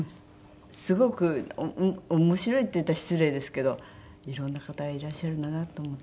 すごく面白いって言ったら失礼ですけどいろんな方がいらっしゃるなと思って。